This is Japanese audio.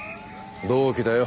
同期だよ。